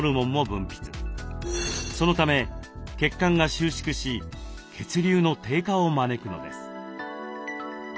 そのため血管が収縮し血流の低下を招くのです。